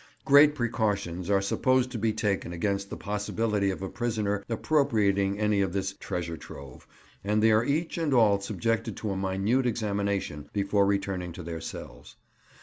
Great precautions are supposed to be taken against the possibility of a prisoner appropriating any of this "treasure trove," and they are each and all subjected to a minute examination before returning to their cells.